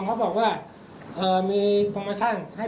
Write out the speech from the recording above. ๖ของผมมันทั้งหมด๓บัญชี